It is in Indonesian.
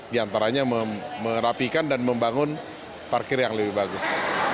di antaranya merapikan dan membangun parkir yang lebih bagus